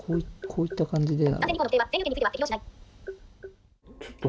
こういった感じで。